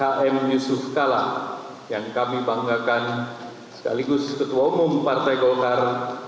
yang kami banggakan yusuf kalla yang kami banggakan sekaligus ketua umum partai golkar dua ribu empat dua ribu sembilan